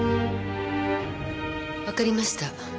わかりました。